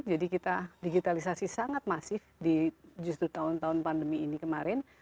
jadi kita digitalisasi sangat masif di justru tahun tahun pandemi ini kemarin